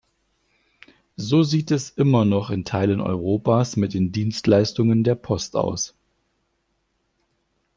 So sieht es immer noch in Teilen Europas mit den Dienstleistungen der Post aus.